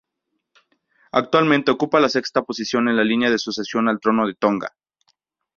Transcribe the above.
Actualmente ocupa la sexta posición en la línea de sucesión al trono de Tonga.